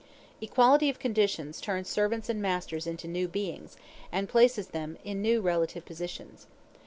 Equality of conditions turns servants and masters into new beings, and places them in new relative positions.